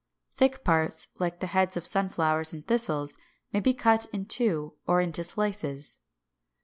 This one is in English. Thick parts, like the heads of Sunflowers and Thistles, may be cut in two or into slices.